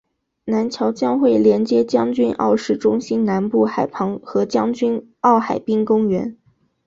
南桥将会连接将军澳市中心南部海旁和将军澳海滨公园。